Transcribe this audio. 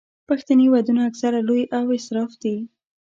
پښتني ودونه اکثره لوی او اسراف دي.